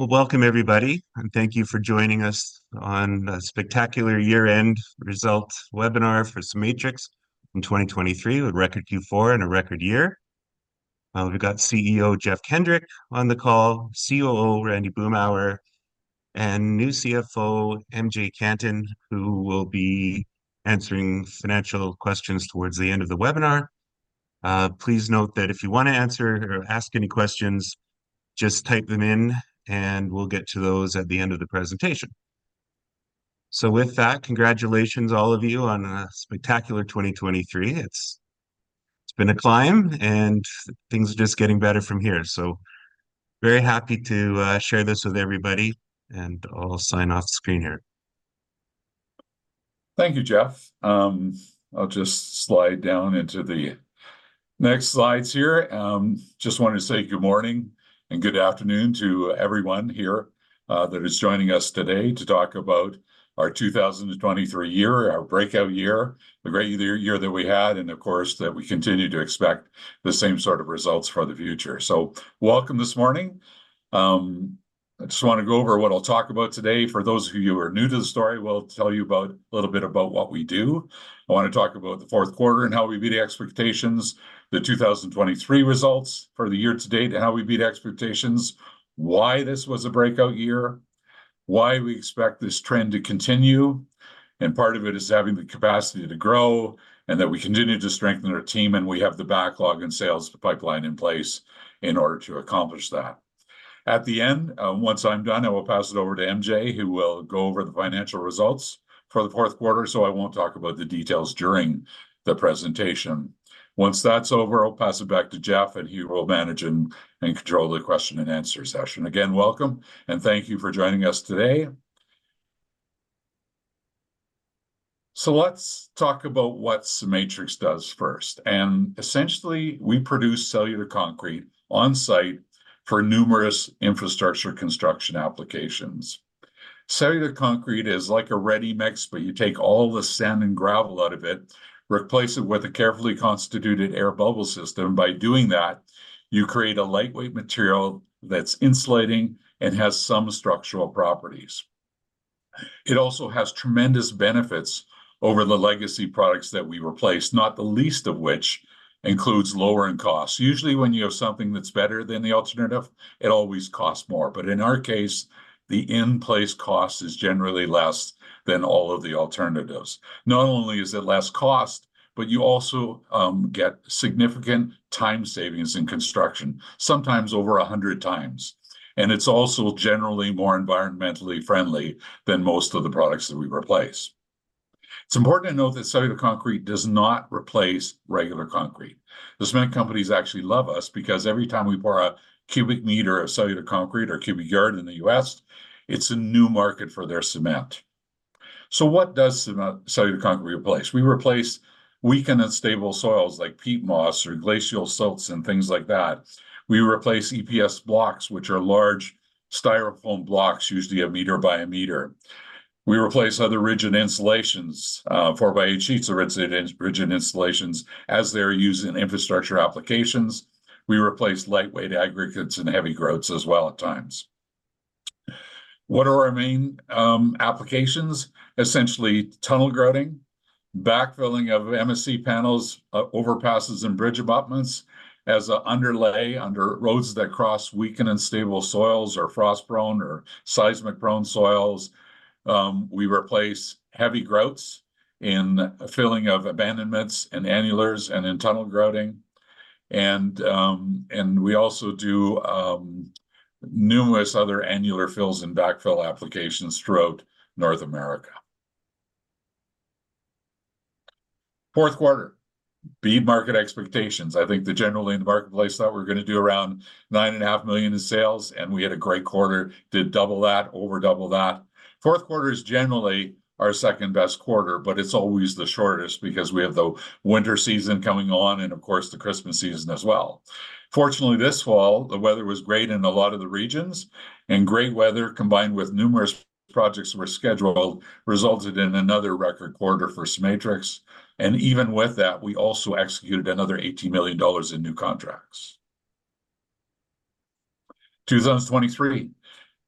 Well, welcome, everybody, and thank you for joining us on a spectacular year-end result webinar for CEMATRIX in 2023, with record Q4 and a record year. We've got CEO Jeff Kendrick on the call, COO Randy Boomhower, and new CFO MJ Cantin, who will be answering financial questions towards the end of the webinar. Please note that if you want to answer or ask any questions, just type them in, and we'll get to those at the end of the presentation. So with that, congratulations, all of you, on a spectacular 2023. It's, it's been a climb, and things are just getting better from here. So very happy to share this with everybody, and I'll sign off screen here. Thank you, Jeff. I'll just slide down into the next slides here. Just wanted to say good morning and good afternoon to everyone here that is joining us today to talk about our 2023 year, our breakout year, the great year, year that we had, and of course, that we continue to expect the same sort of results for the future. So welcome this morning. I just want to go over what I'll talk about today. For those of you who are new to the story, we'll tell you about, a little bit about what we do. I want to talk about the Q4 and how we beat expectations, the 2023 results for the year to date, and how we beat expectations, why this was a breakout year, why we expect this trend to continue, and part of it is having the capacity to grow, and that we continue to strengthen our team, and we have the backlog and sales pipeline in place in order to accomplish that. At the end, once I'm done, I will pass it over to MJ, who will go over the financial results for the Q4, so I won't talk about the details during the presentation. Once that's over, I'll pass it back to Jeff, and he will manage and control the question and answer session. Again, welcome, and thank you for joining us today. So let's talk about what CEMATRIX does first, and essentially, we produce cellular concrete on-site for numerous infrastructure construction applications. Cellular concrete is like a ready mix, but you take all the sand and gravel out of it, replace it with a carefully constituted air bubble system. By doing that, you create a lightweight material that's insulating and has some structural properties. It also has tremendous benefits over the legacy products that we replace, not the least of which includes lowering costs. Usually, when you have something that's better than the alternative, it always costs more. But in our case, the in-place cost is generally less than all of the alternatives. Not only is it less cost, but you also get significant time savings in construction, sometimes over 100 times, and it's also generally more environmentally friendly than most of the products that we replace. It's important to note that cellular concrete does not replace regular concrete. The cement companies actually love us because every time we pour a cubic meter of cellular concrete or cubic yard in the U.S., it's a new market for their cement. So what does cellular concrete replace? We replace weak and unstable soils like peat moss or glacial silts and things like that. We replace EPS blocks, which are large styrofoam blocks, usually a meter by a meter. We replace other rigid insulations, four-by-eight sheets of rigid insulations, as they're used in infrastructure applications. We replace lightweight aggregates and heavy grouts as well at times. What are our main applications? Essentially, tunnel grouting, backfilling of MSE panels, overpasses and bridge abutments as an underlay under roads that cross weak and unstable soils or frost-prone or seismic-prone soils. We replace heavy grouts in filling of abandonments and annulars and in tunnel grouting, and we also do numerous other annular fills and backfill applications throughout North America. Q4 beat market expectations. I think that generally in the marketplace thought we're going to do around 9.5 million in sales, and we had a great quarter. Did double that, over double that. Q4 is generally our second-best quarter, but it's always the shortest because we have the winter season coming on, and of course, the Christmas season as well. Fortunately, this fall, the weather was great in a lot of the regions, and great weather, combined with numerous projects that were scheduled, resulted in another record quarter for CEMATRIX, and even with that, we also executed another 18 million dollars in new contracts. 2023,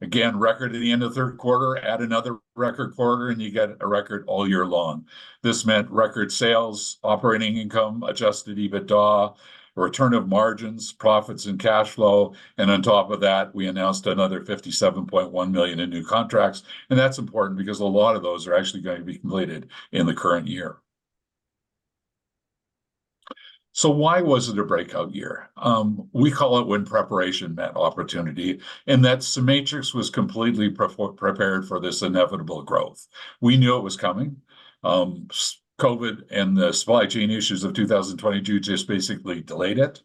again, record at the end of the Q3, add another record quarter, and you get a record all year long. This meant record sales, operating income, adjusted EBITDA, return of margins, profits and cash flow, and on top of that, we announced another 57.1 million in new contracts, and that's important because a lot of those are actually going to be completed in the current year. So why was it a breakout year? We call it when preparation met opportunity, and that CEMATRIX was completely prepared for this inevitable growth. We knew it was coming. COVID and the supply chain issues of 2022 just basically delayed it.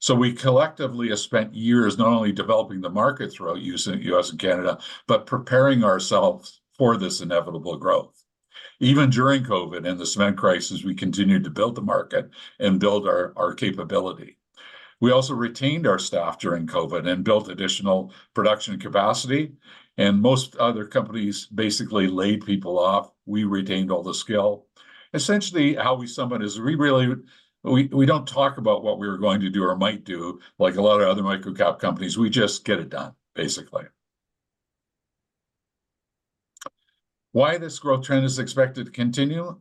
So we collectively have spent years not only developing the market throughout U.S. and Canada, but preparing ourselves for this inevitable growth. Even during COVID and the cement crisis, we continued to build the market and build our, our capability. We also retained our staff during COVID and built additional production capacity, and most other companies basically laid people off. We retained all the skill. Essentially, how we sum it is we really, we, we don't talk about what we were going to do or might do, like a lot of other micro-cap companies. We just get it done, basically.... Why this growth trend is expected to continue?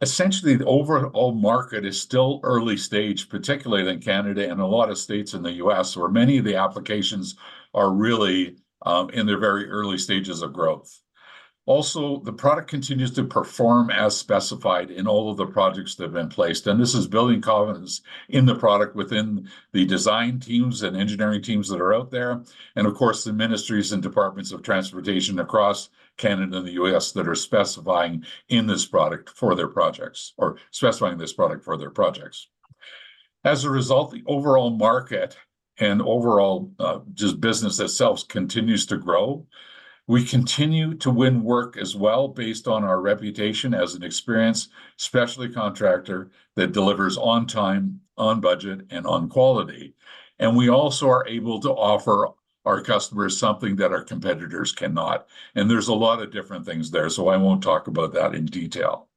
Essentially, the overall market is still early stage, particularly in Canada and a lot of states in the U.S., where many of the applications are really, in their very early stages of growth. Also, the product continues to perform as specified in all of the projects that have been placed, and this is building confidence in the product within the design teams and engineering teams that are out there, and of course, the ministries and departments of transportation across Canada and the U.S. that are specifying in this product for their projects, or specifying this product for their projects. As a result, the overall market and overall, just business itself continues to grow. We continue to win work as well, based on our reputation as an experienced specialty contractor that delivers on time, on budget, and on quality. And we also are able to offer our customers something that our competitors cannot, and there's a lot of different things there, so I won't talk about that in detail.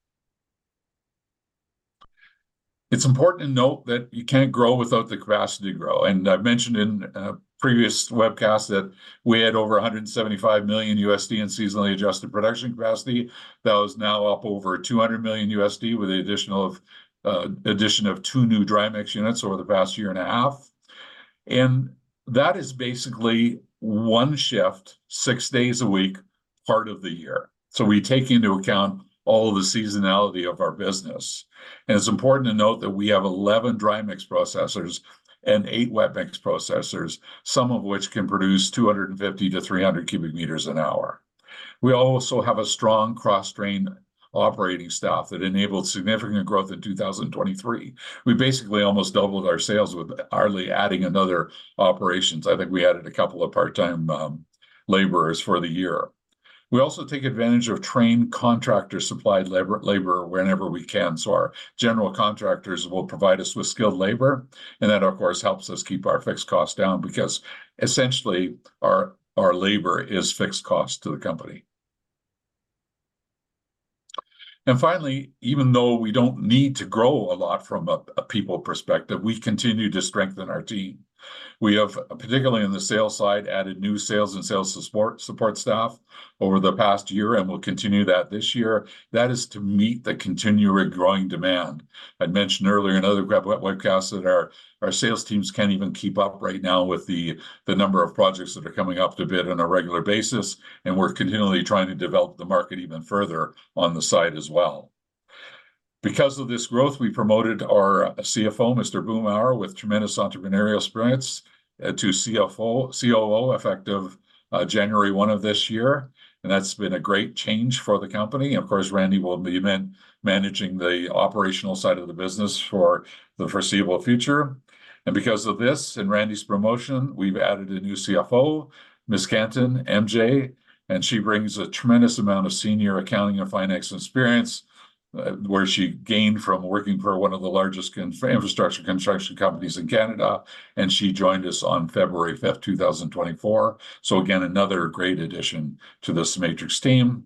It's important to note that you can't grow without the capacity to grow, and I've mentioned in previous webcasts that we had over $175 million in seasonally adjusted production capacity. That is now up over $200 million, with the addition of 2 new dry mix units over the past year and a half. That is basically one shift, six days a week, part of the year. We take into account all of the seasonality of our business. It's important to note that we have 11 dry mix processors and 8 wet mix processors, some of which can produce 250-300 cubic meters an hour. We also have a strong cross-trained operating staff that enabled significant growth in 2023. We basically almost doubled our sales with hardly adding another operations. I think we added a couple of part-time laborers for the year. We also take advantage of trained contractor-supplied labor whenever we can, so our general contractors will provide us with skilled labor, and that, of course, helps us keep our fixed costs down, because essentially, our labor is fixed cost to the company. And finally, even though we don't need to grow a lot from a people perspective, we've continued to strengthen our team. We have, particularly in the sales side, added new sales and sales support staff over the past year, and we'll continue that this year. That is to meet the continuing growing demand. I'd mentioned earlier in other webcasts that our sales teams can't even keep up right now with the number of projects that are coming up to bid on a regular basis, and we're continually trying to develop the market even further on the side as well. Because of this growth, we promoted our CFO, Mr. Boomhower, with tremendous entrepreneurial experience, to COO, effective January 1 of this year, and that's been a great change for the company. Of course, Randy will be then managing the operational side of the business for the foreseeable future. And because of this and Randy's promotion, we've added a new CFO, Ms. Cantin, MJ, and she brings a tremendous amount of senior accounting and finance experience, where she gained from working for one of the largest con... infrastructure construction companies in Canada, and she joined us on February fifth, two thousand and twenty-four. So again, another great addition to this CEMATRIX team.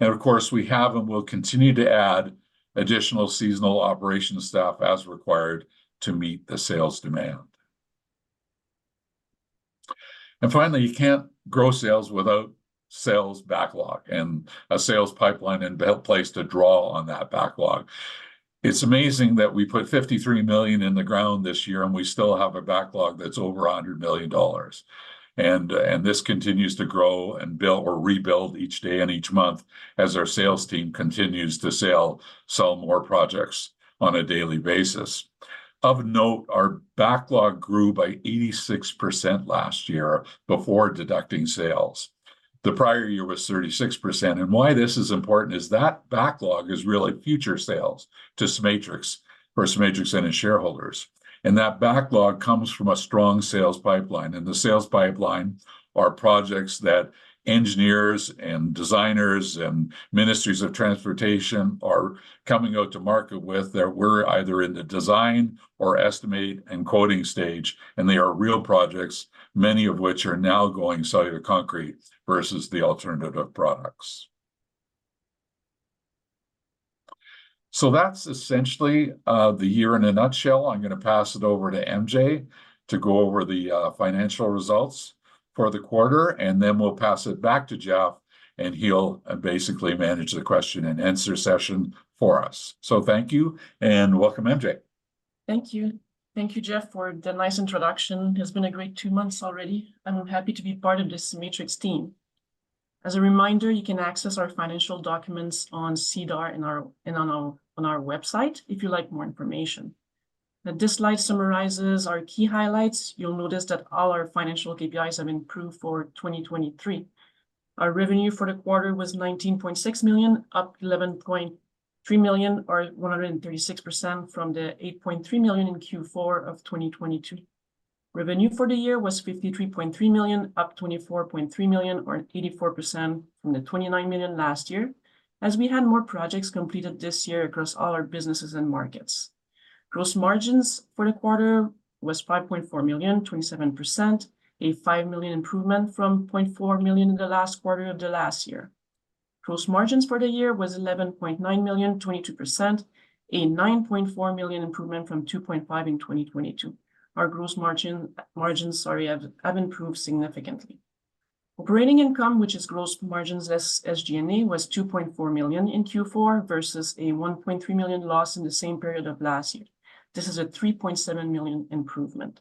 And of course, we have and will continue to add additional seasonal operations staff as required to meet the sales demand. And finally, you can't grow sales without sales backlog and a sales pipeline in place to draw on that backlog. It's amazing that we put 53 million in the ground this year, and we still have a backlog that's over 100 million dollars, and this continues to grow and build or rebuild each day and each month as our sales team continues to sell, sell more projects on a daily basis. Of note, our backlog grew by 86% last year before deducting sales. The prior year was 36%, and why this is important is that backlog is really future sales to CEMATRIX, for CEMATRIX and its shareholders. And that backlog comes from a strong sales pipeline, and the sales pipeline are projects that engineers, and designers, and ministries of transportation are coming out to market with, that we're either in the design or estimate and quoting stage, and they are real projects, many of which are now going cellular concrete versus the alternative products. So that's essentially the year in a nutshell. I'm gonna pass it over to MJ to go over the financial results for the quarter, and then we'll pass it back to Jeff, and he'll basically manage the question and answer session for us. So thank you, and welcome, MJ. Thank you. Thank you, Jeff, for the nice introduction. It has been a great two months already, and I'm happy to be part of the CEMATRIX team. As a reminder, you can access our financial documents on SEDAR and on our website if you'd like more information. Now, this slide summarizes our key highlights. You'll notice that all our financial KPIs have improved for 2023. Our revenue for the quarter was 19.6 million, up 11.3 million, or 136% from the 8.3 million in Q4 of 2022. Revenue for the year was 53.3 million, up 24.3 million, or 84% from the 29 million last year, as we had more projects completed this year across all our businesses and markets. Gross margins for the quarter was 5.4 million, 27%, a 5 million improvement from 0.4 million in the last quarter of the last year. Gross margins for the year was 11.9 million, 22%, a 9.4 million improvement from 2.5 million in 2022. Our gross margins, sorry, have improved significantly. Operating income, which is gross margins less SG&A, was 2.4 million in Q4, versus a 1.3 million loss in the same period of last year. This is a 3.7 million improvement.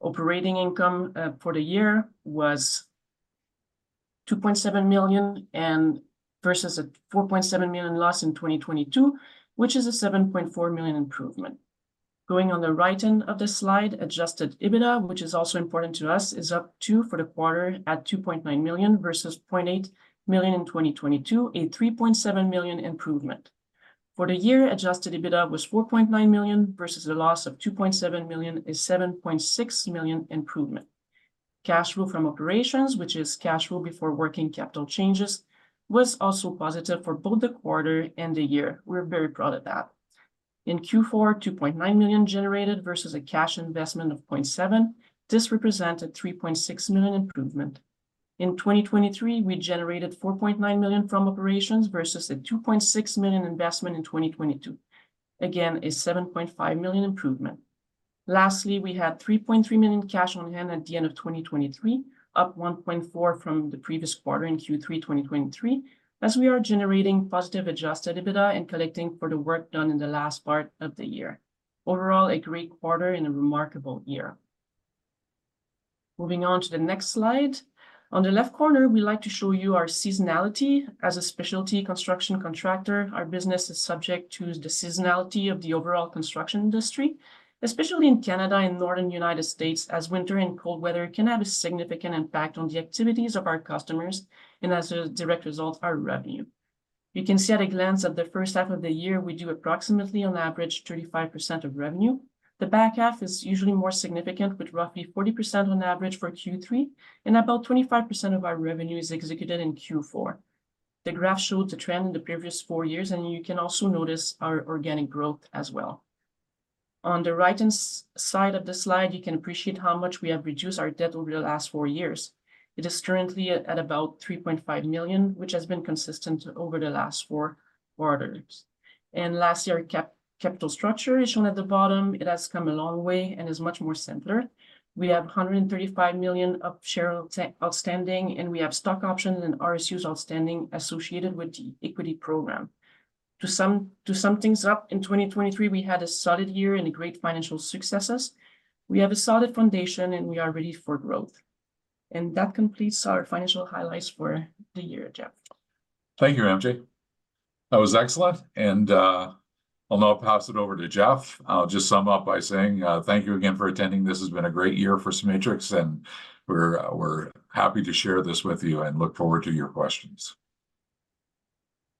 Operating income for the year was 2.7 million versus a 4.7 million loss in 2022, which is a 7.4 million improvement. Going on the right end of the slide, Adjusted EBITDA, which is also important to us, is up, too, for the quarter at 2.9 million versus 0.8 million in 2022, a 3.7 million improvement. For the year, Adjusted EBITDA was 4.9 million, versus a loss of 2.7 million, a 7.6 million improvement. Cash flow from operations, which is cash flow before working capital changes, was also positive for both the quarter and the year. We're very proud of that. In Q4, 2.9 million generated versus a cash investment of 0.7 million. This represented 3.6 million improvement. In 2023, we generated 4.9 million from operations versus a 2.6 million investment in 2022. Again, a 7.5 million improvement. Lastly, we had 3.3 million cash on hand at the end of 2023, up 1.4 million from the previous quarter in Q3 2023, as we are generating positive Adjusted EBITDA and collecting for the work done in the last part of the year. Overall, a great quarter and a remarkable year. Moving on to the next slide. On the left corner, we'd like to show you our seasonality. As a specialty construction contractor, our business is subject to the seasonality of the overall construction industry, especially in Canada and northern United States, as winter and cold weather can have a significant impact on the activities of our customers and, as a direct result, our revenue. You can see at a glance at the first half of the year, we do approximately on average 35% of revenue. The back half is usually more significant, with roughly 40% on average for Q3, and about 25% of our revenue is executed in Q4. The graph shows the trend in the previous four years, and you can also notice our organic growth as well. On the right-hand side of the slide, you can appreciate how much we have reduced our debt over the last four years. It is currently at about 3.5 million, which has been consistent over the last four quarters. Last year, our capital structure is shown at the bottom. It has come a long way and is much more simpler. We have 135 million shares outstanding, and we have stock options and RSUs outstanding associated with the equity program. To sum things up, in 2023, we had a solid year and great financial successes. We have a solid foundation, and we are ready for growth. That completes our financial highlights for the year, Jeff. Thank you, MJ. That was excellent, and I'll now pass it over to Jeff. I'll just sum up by saying, thank you again for attending. This has been a great year for CEMATRIX, and we're happy to share this with you, and look forward to your questions.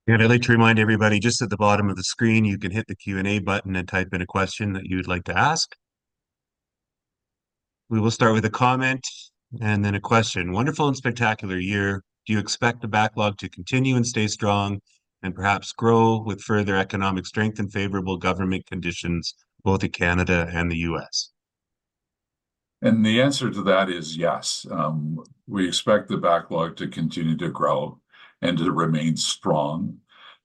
I'd like to remind everybody, just at the bottom of the screen, you can hit the Q&A button and type in a question that you'd like to ask. We will start with a comment and then a question: Wonderful and spectacular year. Do you expect the backlog to continue and stay strong and perhaps grow with further economic strength and favorable government conditions, both to Canada and the US? The answer to that is yes. We expect the backlog to continue to grow and to remain strong.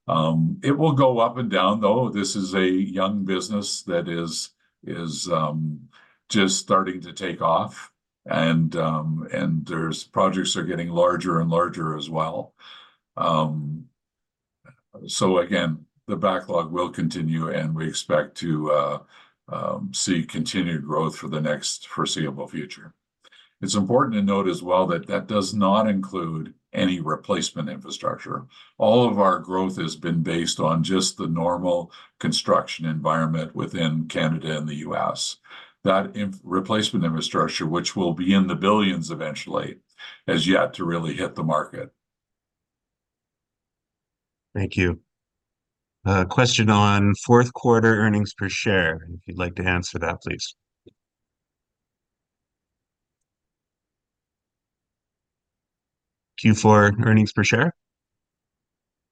It will go up and down, though. This is a young business that is just starting to take off, and, and there's... Projects are getting larger and larger as well. So again, the backlog will continue, and we expect to see continued growth for the next foreseeable future. It's important to note as well that that does not include any replacement infrastructure. All of our growth has been based on just the normal construction environment within Canada and the U.S. That replacement infrastructure, which will be in the billions eventually, has yet to really hit the market. Thank you. A question on Q4 earnings per share, if you'd like to answer that, please. Q4 earnings per share?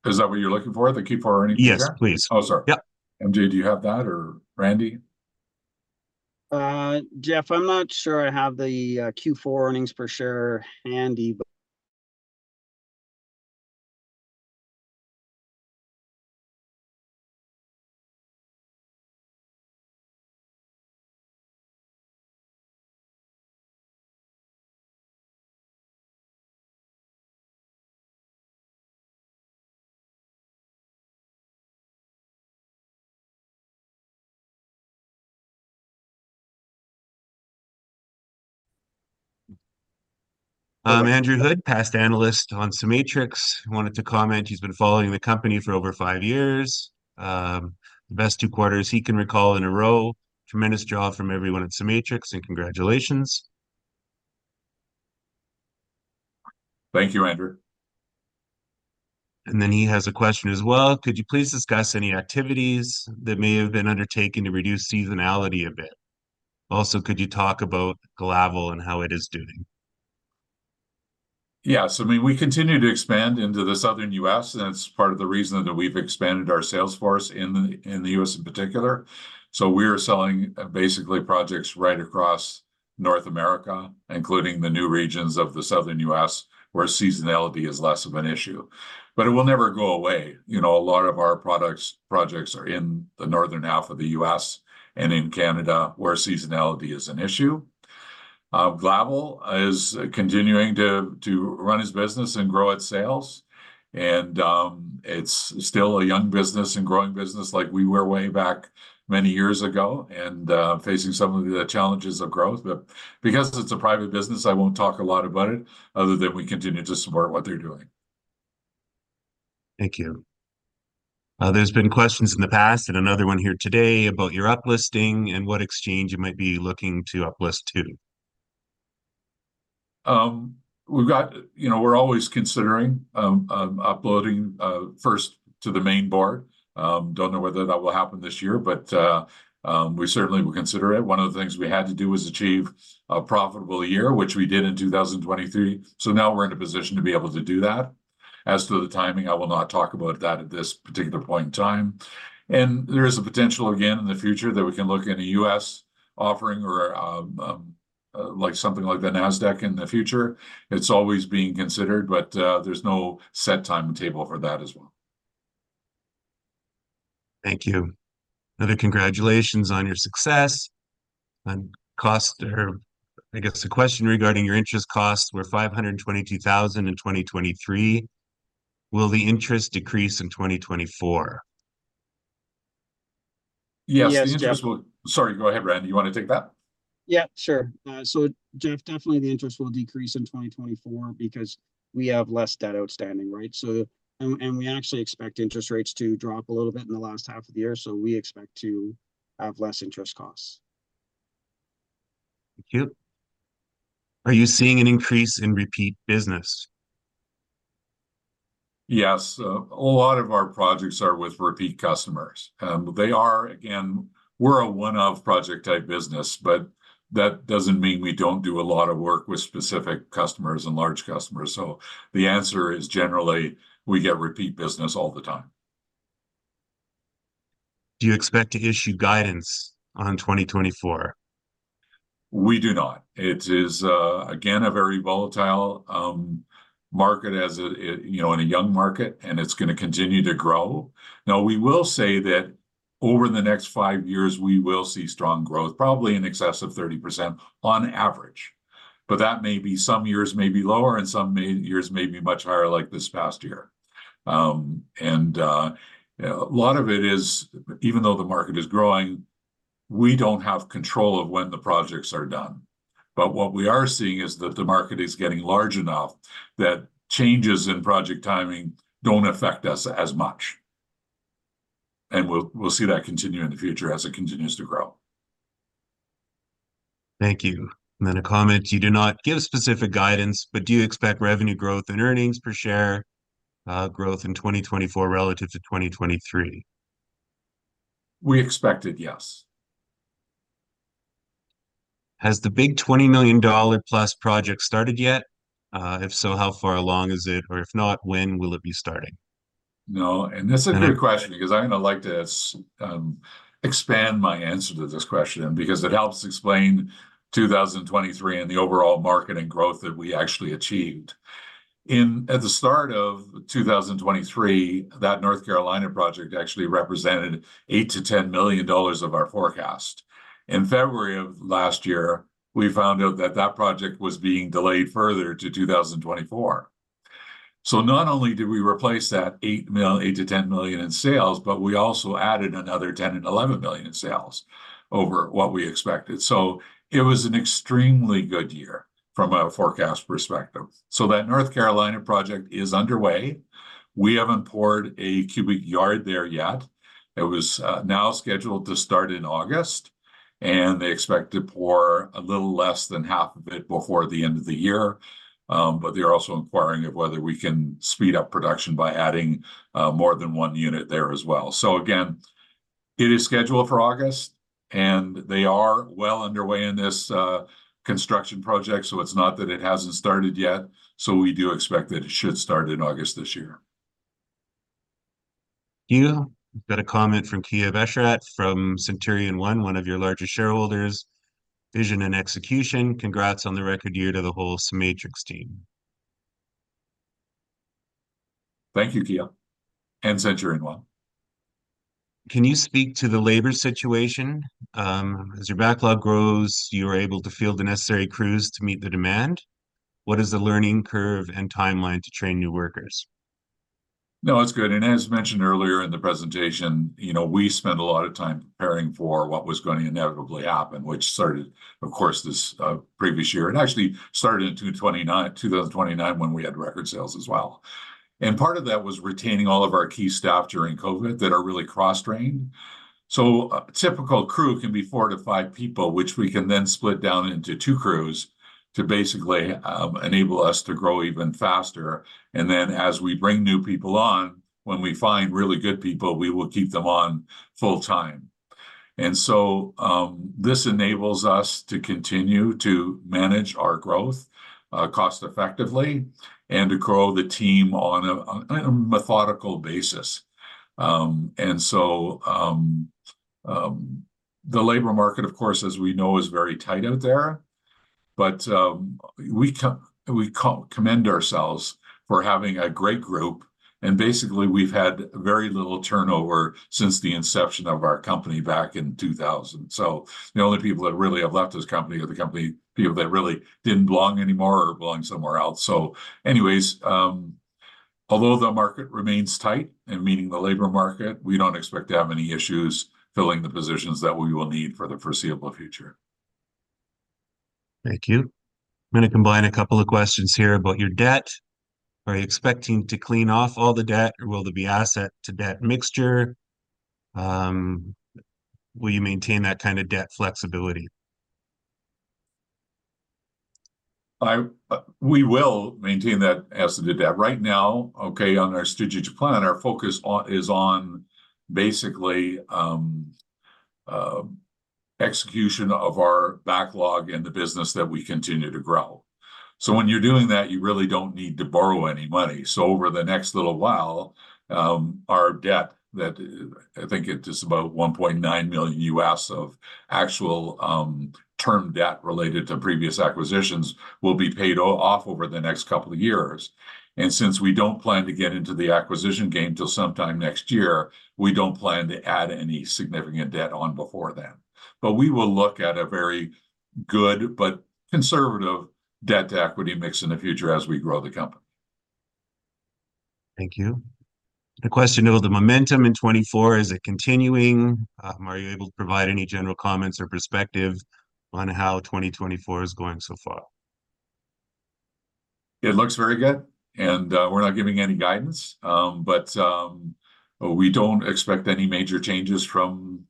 Is that what you're looking for, the Q4 earnings per share? Yes, please. Oh, sorry. Yep. MJ, do you have that or Randy? Jeff, I'm not sure I have the Q4 earnings per share handy, but- Andrew Hood, past analyst on CEMATRIX, wanted to comment. He's been following the company for over five years. The best two quarters he can recall in a row. Tremendous job from everyone at CEMATRIX, and congratulations. Thank you, Andrew. And then he has a question as well: Could you please discuss any activities that may have been undertaken to reduce seasonality a bit? Also, could you talk about Glavel and how it is doing? Yes. I mean, we continue to expand into the Southern US, and that's part of the reason that we've expanded our sales force in the US in particular. So we're selling basically projects right across North America, including the new regions of the Southern US, where seasonality is less of an issue, but it will never go away. You know, a lot of our products, projects are in the northern half of the US and in Canada, where seasonality is an issue. Glavel is continuing to run its business and grow its sales, and it's still a young business and growing business, like we were way back many years ago, and facing some of the challenges of growth. But because it's a private business, I won't talk a lot about it, other than we continue to support what they're doing. Thank you. There's been questions in the past, and another one here today, about your uplisting and what exchange you might be looking to uplist to. You know, we're always considering uplisting first to the main board. Don't know whether that will happen this year, but we certainly will consider it. One of the things we had to do was achieve a profitable year, which we did in 2023, so now we're in a position to be able to do that. As to the timing, I will not talk about that at this particular point in time. There is a potential again, in the future, that we can look at a U.S. offering or like something like the Nasdaq in the future. It's always being considered, but there's no set timetable for that as well. Thank you. Another congratulations on your success. I guess the question regarding your interest costs were 522,000 in 2023. Will the interest decrease in 2024? Yes, the interest will- Yes, Jeff- Sorry, go ahead, Randy. You want to take that? Yeah, sure. So Jeff, definitely the interest will decrease in 2024 because we have less debt outstanding, right? And we actually expect interest rates to drop a little bit in the last half of the year, so we expect to have less interest costs. Thank you. Are you seeing an increase in repeat business? Yes. A lot of our projects are with repeat customers. Again, we're a one-off project-type business, but that doesn't mean we don't do a lot of work with specific customers and large customers. So the answer is, generally, we get repeat business all the time. Do you expect to issue guidance on 2024? We do not. It is, again, a very volatile market, as, you know, and a young market, and it's gonna continue to grow. Now, we will say that over the next five years, we will see strong growth, probably in excess of 30% on average, but that may be some years may be lower and some years may be much higher, like this past year. And a lot of it is, even though the market is growing, we don't have control of when the projects are done. But what we are seeing is that the market is getting large enough, that changes in project timing don't affect us as much, and we'll see that continue in the future as it continues to grow. Thank you. And then a comment, "You do not give specific guidance, but do you expect revenue growth and earnings per share growth in 2024 relative to 2023? We expected, yes. Has the big $20 million+ project started yet? If so, how far along is it? Or if not, when will it be starting? No, and that's a- Uh... great question because I'm gonna like to expand my answer to this question, because it helps explain 2023 and the overall market and growth that we actually achieved. In at the start of 2023, that North Carolina project actually represented $8 million-$10 million of our forecast. In February of last year, we found out that that project was being delayed further to 2024. So not only did we replace that $8 million-$10 million in sales, but we also added another $10 million-$11 million in sales over what we expected. So it was an extremely good year from a forecast perspective. So that North Carolina project is underway. We haven't poured a cubic yard there yet. It was now scheduled to start in August, and they expect to pour a little less than half of it before the end of the year. But they're also inquiring of whether we can speed up production by adding more than one unit there as well. So again, it is scheduled for August, and they are well underway in this construction project, so it's not that it hasn't started yet. So we do expect that it should start in August this year. You got a comment from Kia Beshrat from Centurion One, one of your larger shareholders. "Vision and execution. Congrats on the record year to the whole CEMATRIX team. Thank you, Kia, and Centurion One. Can you speak to the labor situation? As your backlog grows, you're able to field the necessary crews to meet the demand. What is the learning curve and timeline to train new workers? No, it's good, and as mentioned earlier in the presentation, you know, we spent a lot of time preparing for what was gonna inevitably happen, which started, of course, this previous year. It actually started in 2019, when we had record sales as well. And part of that was retaining all of our key staff during COVID that are really cross-trained. So a typical crew can be four to five people, which we can then split down into two crews to basically enable us to grow even faster. And then, as we bring new people on, when we find really good people, we will keep them on full time. And so this enables us to continue to manage our growth cost effectively, and to grow the team on a methodical basis. The labor market, of course, as we know, is very tight out there, but we commend ourselves for having a great group, and basically we've had very little turnover since the inception of our company back in 2000. So the only people that really have left this company are the company people that really didn't belong anymore or belong somewhere else. So anyways, although the market remains tight, and meaning the labor market, we don't expect to have any issues filling the positions that we will need for the foreseeable future. Thank you. I'm gonna combine a couple of questions here about your debt. Are you expecting to clean off all the debt, or will there be asset to debt mixture? Will you maintain that kind of debt flexibility? We will maintain that asset to debt. Right now, okay, on our strategic plan, our focus on, is on basically, execution of our backlog and the business that we continue to grow. So when you're doing that, you really don't need to borrow any money. So over the next little while, our debt that, I think it is about $1.9 million of actual, term debt related to previous acquisitions, will be paid off over the next couple of years. And since we don't plan to get into the acquisition game till sometime next year, we don't plan to add any significant debt on before then. But we will look at a very good but conservative debt to equity mix in the future as we grow the company. Thank you. The question of the momentum in 2024, is it continuing? Are you able to provide any general comments or perspective on how 2024 is going so far? It looks very good, and we're not giving any guidance. But we don't expect any major changes from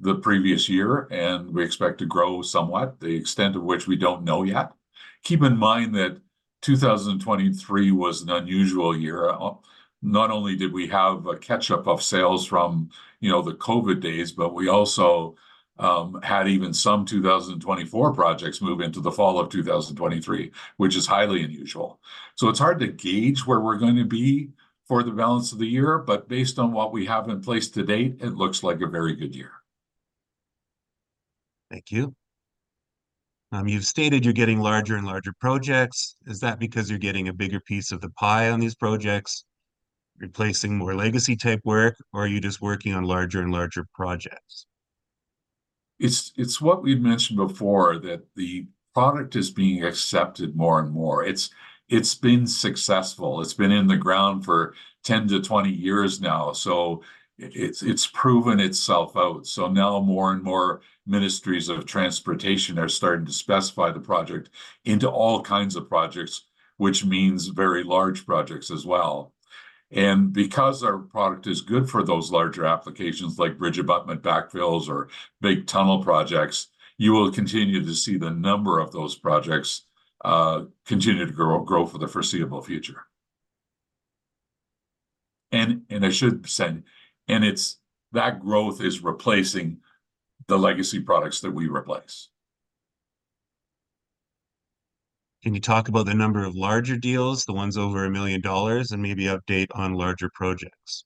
the previous year, and we expect to grow somewhat, the extent of which we don't know yet. Keep in mind that 2023 was an unusual year. Not only did we have a catch-up of sales from, you know, the COVID days, but we also had even some 2024 projects move into the fall of 2023, which is highly unusual. So it's hard to gauge where we're going to be for the balance of the year, but based on what we have in place to date, it looks like a very good year. Thank you. You've stated you're getting larger and larger projects. Is that because you're getting a bigger piece of the pie on these projects, replacing more legacy-type work, or are you just working on larger and larger projects? It's what we've mentioned before, that the product is being accepted more and more. It's been successful. It's been in the ground for 10-20 years now, so it's proven itself out. So now more and more ministries of transportation are starting to specify the product into all kinds of projects, which means very large projects as well. And because our product is good for those larger applications, like bridge abutment backfills or big tunnel projects, you will continue to see the number of those projects continue to grow for the foreseeable future. And I should say, that growth is replacing the legacy products that we replace. Can you talk about the number of larger deals, the ones over 1 million dollars, and maybe update on larger projects?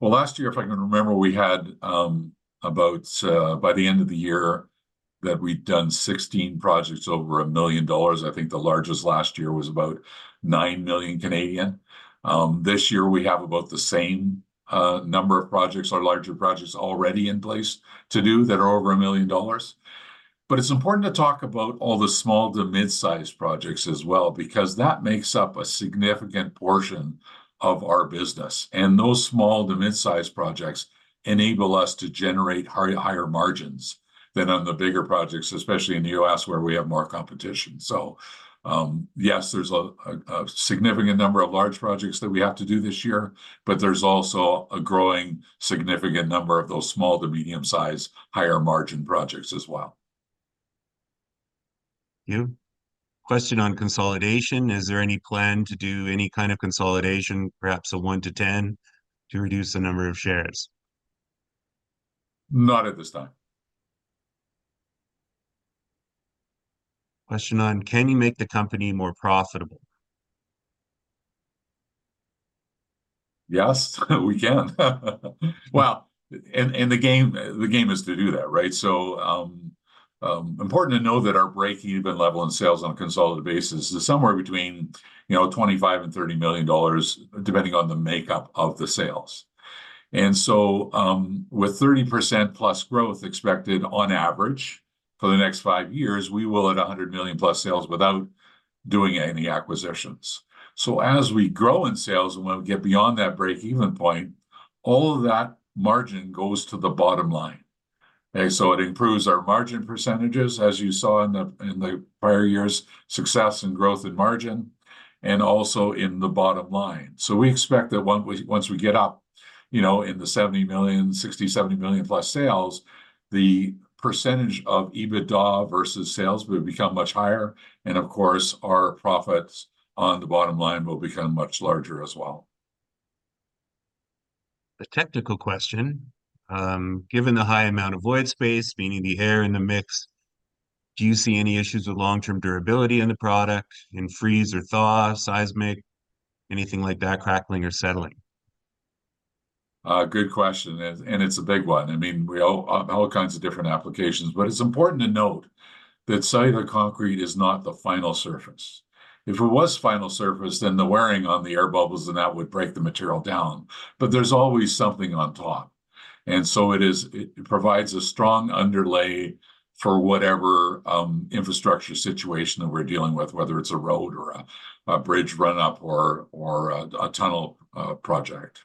Well, last year, if I can remember, we had, about, by the end of the year, that we'd done 16 projects over 1 million dollars. I think the largest last year was about 9 million. This year we have about the same, number of projects or larger projects already in place to do that are over 1 million dollars. But it's important to talk about all the small to mid-sized projects as well, because that makes up a significant portion of our business. And those small to mid-size projects enable us to generate higher, higher margins than on the bigger projects, especially in the US, where we have more competition. So, yes, there's a significant number of large projects that we have to do this year, but there's also a growing significant number of those small to medium-sized, higher margin projects as well. Thank you. Question on consolidation: Is there any plan to do any kind of consolidation, perhaps a 1-to-10, to reduce the number of shares? Not at this time. Question on, can you make the company more profitable? Yes, we can. Well, and the game is to do that, right? So, important to know that our break-even level in sales on a consolidated basis is somewhere between, you know, 25 million and 30 million dollars, depending on the makeup of the sales. And so, with 30%+ growth expected on average for the next 5 years, we will hit 100 million+ sales without doing any acquisitions. So as we grow in sales and when we get beyond that break-even point, all of that margin goes to the bottom line. Okay, so it improves our margin percentages, as you saw in the prior years' success and growth and margin, and also in the bottom line. We expect that once we get up, you know, in the 60 million-70 million-plus sales, the percentage of EBITDA versus sales will become much higher, and of course, our profits on the bottom line will become much larger as well. A technical question. Given the high amount of void space, meaning the air in the mix, do you see any issues with long-term durability in the product, in freeze or thaw, seismic, anything like that, crackling or settling? Good question, and it's a big one. I mean, we all all kinds of different applications, but it's important to note that cellular concrete is not the final surface. If it was final surface, then the wearing on the air bubbles and that would break the material down, but there's always something on top, and so it provides a strong underlay for whatever infrastructure situation that we're dealing with, whether it's a road or a bridge run-up or a tunnel project.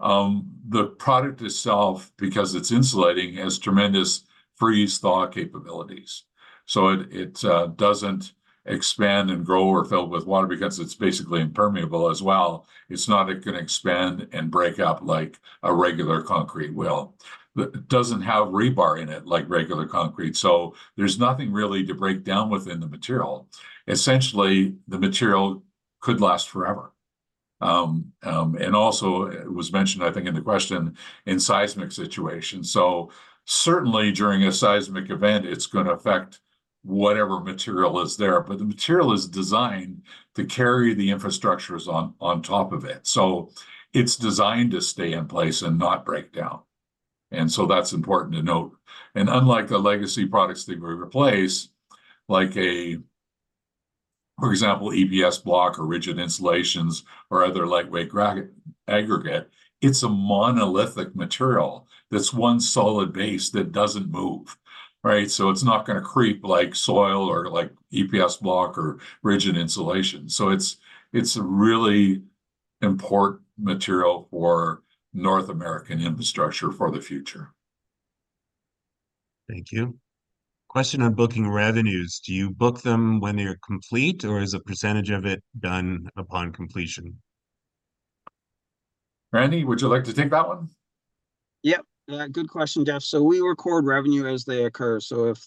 The product itself, because it's insulating, has tremendous freeze-thaw capabilities, so it doesn't expand and grow or fill with water because it's basically impermeable as well. It's not. It can expand and break up like a regular concrete will. It doesn't have rebar in it like regular concrete, so there's nothing really to break down within the material. Essentially, the material could last forever. And also, it was mentioned, I think, in the question, in seismic situations, so certainly during a seismic event, it's gonna affect whatever material is there, but the material is designed to carry the infrastructures on top of it. So it's designed to stay in place and not break down, and so that's important to note. And unlike the legacy products that we replace, like a, for example, EPS block or rigid insulations or other lightweight gravel aggregate, it's a monolithic material that's one solid base that doesn't move, right? So it's not gonna creep like soil or like EPS block or rigid insulation. So it's a really important material for North American infrastructure for the future. Thank you. Question on booking revenues: Do you book them when they're complete, or is a percentage of it done upon completion? Randy, would you like to take that one? Yep. Good question, Jeff. So we record revenue as they occur, so if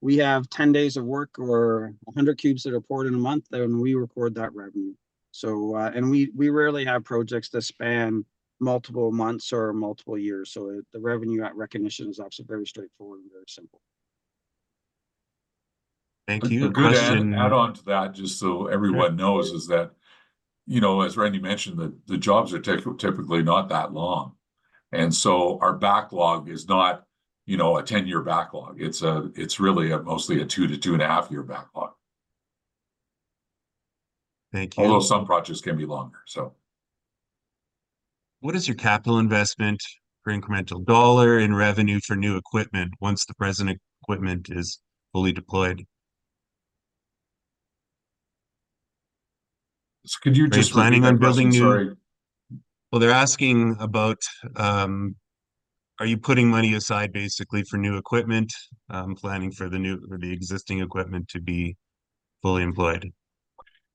we have 10 days of work or 100 cubes that are poured in a month, then we record that revenue. So, and we rarely have projects that span multiple months or multiple years, so the revenue recognition is actually very straightforward and very simple. Thank you. Good question- To add on to that, just so everyone knows, is that, you know, as Randy mentioned, the jobs are typically not that long, and so our backlog is not, you know, a 10-year backlog. It's really mostly a 2-2.5-year backlog. Thank you. Although some projects can be longer, so. What is your capital investment for incremental dollar in revenue for new equipment once the present equipment is fully deployed? So could you just- Are you planning on building new? Sorry. Well, they're asking about, are you putting money aside basically for new equipment, planning for the existing equipment to be fully employed?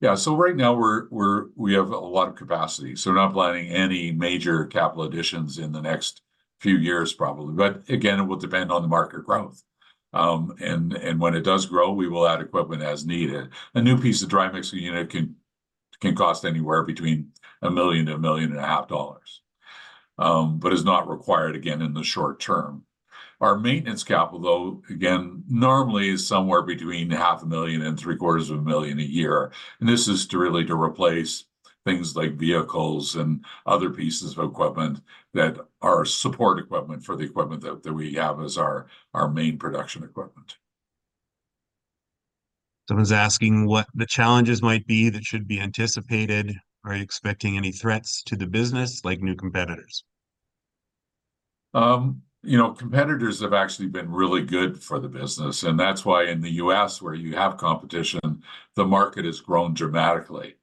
Yeah, so right now we have a lot of capacity, so we're not planning any major capital additions in the next few years probably. But, again, it will depend on the market growth, and when it does grow, we will add equipment as needed. A new piece of dry mixing unit can cost anywhere between 1 million-1.5 million, but is not required again in the short term. Our maintenance capital, though, again, normally is somewhere between 500,000-750,000 a year, and this is to really replace things like vehicles and other pieces of equipment that are support equipment for the equipment that we have as our main production equipment. Someone's asking what the challenges might be that should be anticipated. Are you expecting any threats to the business, like new competitors? You know, competitors have actually been really good for the business, and that's why in the U.S., where you have competition, the market has grown dramatically.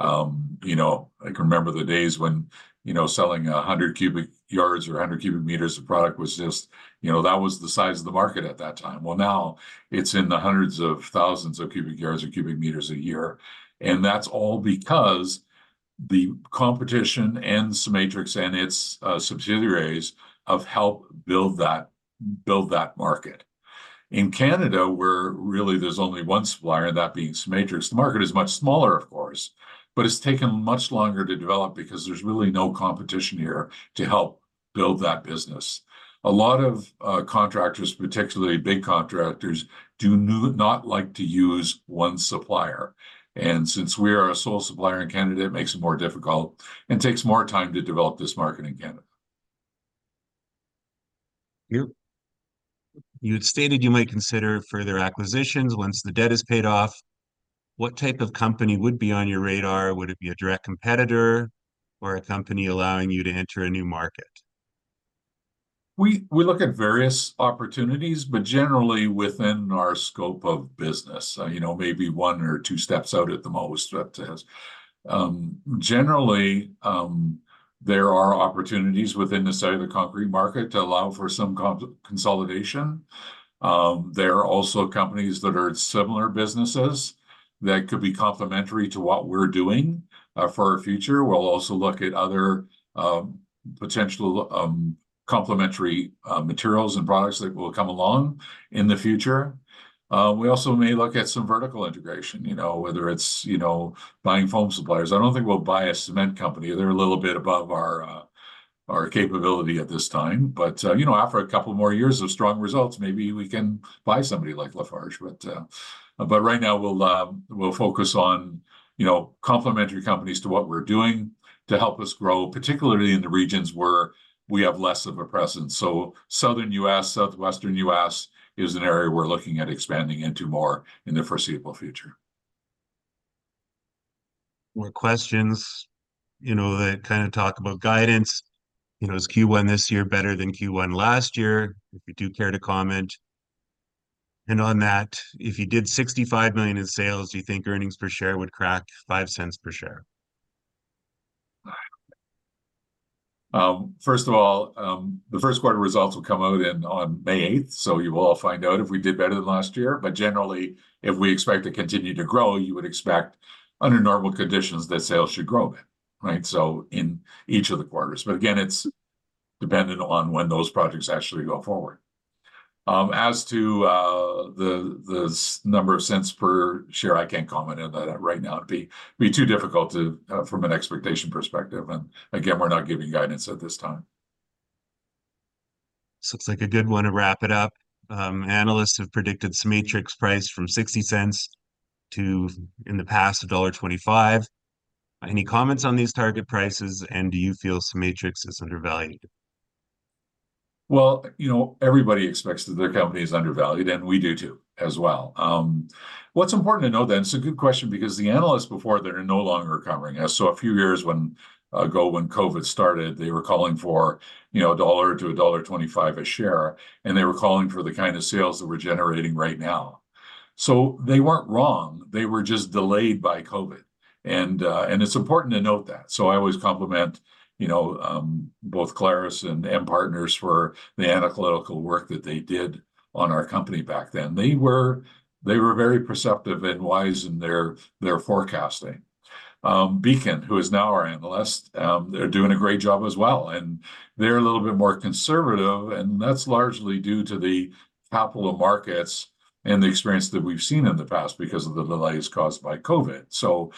You know, I can remember the days when, you know, selling 100 cubic yards or 100 cubic meters of product was just, you know, that was the size of the market at that time. Well, now it's in the hundreds of thousands of cubic yards or cubic meters a year, and that's all because the competition and CEMATRIX and its subsidiaries have helped build that, build that market. In Canada, where really there's only one supplier, that being CEMATRIX, the market is much smaller, of course, but it's taken much longer to develop because there's really no competition here to help build that business. A lot of contractors, particularly big contractors, do not like to use one supplier, and since we are a sole supplier in Canada, it makes it more difficult and takes more time to develop this market in Canada. You, you had stated you might consider further acquisitions once the debt is paid off. What type of company would be on your radar? Would it be a direct competitor or a company allowing you to enter a new market? We look at various opportunities, but generally within our scope of business, you know, maybe one or two steps out at the most. But generally, there are opportunities within the cellular concrete market to allow for some consolidation. There are also companies that are similar businesses that could be complementary to what we're doing. For our future, we'll also look at other potential complementary materials and products that will come along in the future. We also may look at some vertical integration, you know, whether it's, you know, buying foam suppliers. I don't think we'll buy a cement company. They're a little bit above our capability at this time. But, you know, after a couple more years of strong results, maybe we can buy somebody like Lafarge. But right now, we'll focus on, you know, complementary companies to what we're doing to help us grow, particularly in the regions where we have less of a presence. So Southern US, Southwestern US is an area we're looking at expanding into more in the foreseeable future. More questions, you know, that kind of talk about guidance. You know, is Q1 this year better than Q1 last year? If you do care to comment. And on that, if you did 65 million in sales, do you think earnings per share would crack 0.05 per share? First of all, the Q1 results will come out in, on May 8th, so you will all find out if we did better than last year. But generally, if we expect to continue to grow, you would expect under normal conditions, that sales should grow, right? So in each of the quarters. But again, it's dependent on when those projects actually go forward. As to the number of cents per share, I can't comment on that right now. It'd be too difficult to from an expectation perspective, and again, we're not giving guidance at this time. This looks like a good one to wrap it up. Analysts have predicted CEMATRIX price from 0.60 to, in the past, dollar 1.25. Any comments on these target prices, and do you feel CEMATRIX is undervalued? Well, you know, everybody expects that their company is undervalued, and we do, too, as well. What's important to know then, it's a good question because the analysts before, they're no longer covering us. So a few years ago, when COVID started, they were calling for, you know, 1-1.25 dollar a share, and they were calling for the kind of sales that we're generating right now. So they weren't wrong, they were just delayed by COVID, and, and it's important to note that. So I always compliment, you know, both Clarus and M Partners for the analytical work that they did on our company back then. They were, they were very perceptive and wise in their, their forecasting. Beacon, who is now our analyst, they're doing a great job as well, and they're a little bit more conservative, and that's largely due to the capital markets and the experience that we've seen in the past because of the delays caused by COVID. So,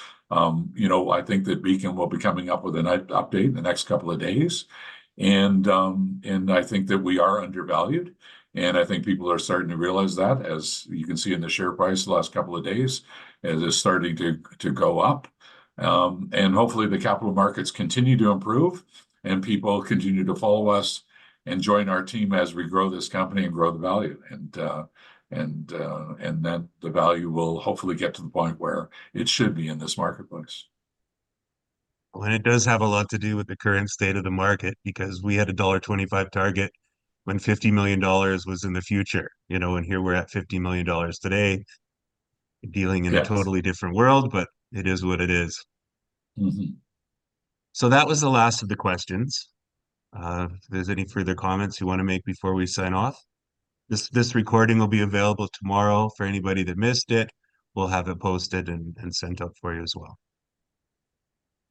you know, I think that Beacon will be coming up with an update in the next couple of days. And I think that we are undervalued, and I think people are starting to realize that, as you can see in the share price the last couple of days, as it's starting to go up. And hopefully the capital markets continue to improve, and people continue to follow us and join our team as we grow this company and grow the value. And then the value will hopefully get to the point where it should be in this marketplace. Well, and it does have a lot to do with the current state of the market, because we had a dollar 1.25 target when 50 million dollars was in the future, you know, and here we're at 50 million dollars today, dealing- Yes... in a totally different world, but it is what it is. Mm-hmm. So that was the last of the questions. If there's any further comments you wanna make before we sign off? This recording will be available tomorrow. For anybody that missed it, we'll have it posted and sent out for you as well.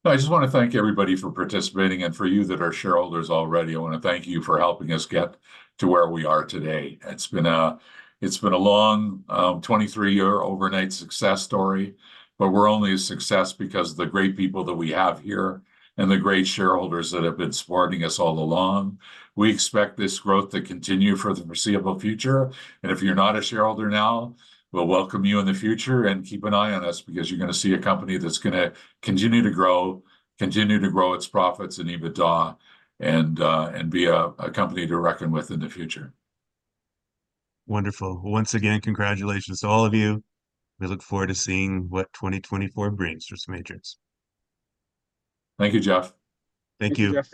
I just wanna thank everybody for participating, and for you that are shareholders already, I wanna thank you for helping us get to where we are today. It's been a long 23-year overnight success story, but we're only a success because of the great people that we have here and the great shareholders that have been supporting us all along. We expect this growth to continue for the foreseeable future, and if you're not a shareholder now, we'll welcome you in the future. And keep an eye on us, because you're gonna see a company that's gonna continue to grow, continue to grow its profits and EBITDA, and be a company to reckon with in the future. Wonderful. Once again, congratulations to all of you. We look forward to seeing what 2024 brings for CEMATRIX. Thank you, Jeff. Thank you.